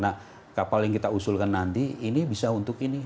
nah kapal yang kita usulkan nanti ini bisa untuk ini